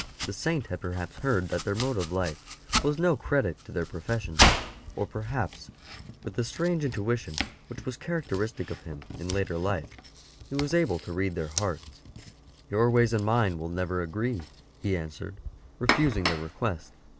The Saint had perhaps heard that their mode of life was no credit to their pro fession, or perhaps, with the strange intuition which was characteristic of him in later life, he was able to read their hearts. *' Your ways and mine will never agree,'' he answer ed, refusing their request.